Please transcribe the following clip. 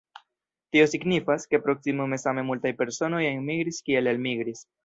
Tio signifas, ke proksimume same multaj personoj enmigris kiel elmigris.